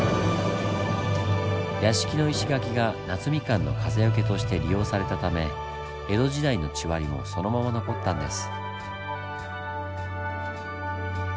屋敷の石垣が夏みかんの風よけとして利用されたため江戸時代の地割りもそのまま残ったんです。